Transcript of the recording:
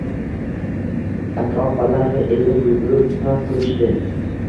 Aka-opalari elib-yugurib xizmat qilishdi